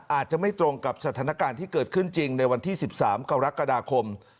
อาจจะไม่ตรงกับสถานการณ์ที่เกิดขึ้นจริงในวันที่๑๓กรกฎาคม